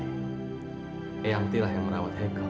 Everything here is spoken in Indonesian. eyamti lah yang merawat hekel